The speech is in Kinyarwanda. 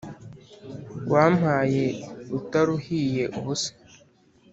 wampaye utaruhiye ubusa”